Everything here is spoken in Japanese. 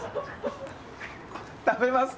食べますか？